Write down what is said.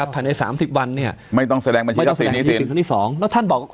ผ่านใน๓๐วันไม่ต้องแสดงบัญชีทัพสินทั้งที่๒